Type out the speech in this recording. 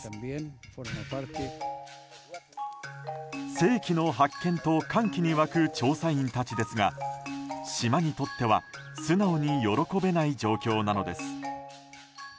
世紀の発見と歓喜に沸く調査員たちですが島にとっては素直に喜べない状況なのです。